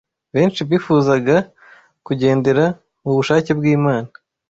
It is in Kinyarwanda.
benshi bifuzaga kugendera mu bushake bw’Imana